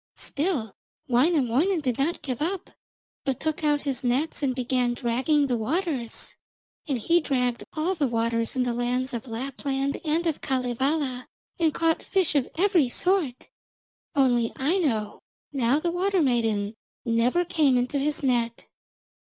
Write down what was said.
Still Wainamoinen did not give up, but took out his nets and began dragging the waters. And he dragged all the waters in the lands of Lapland and of Kalevala, and caught fish of every sort, only Aino, now the water maiden, never came into his net.